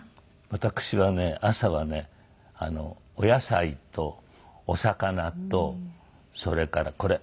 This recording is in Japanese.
私はね朝はねお野菜とお魚とそれからこれ。